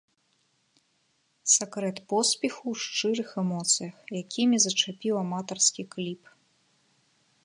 Сакрэт поспеху ў шчырых эмоцыях, якімі зачапіў аматарскі кліп.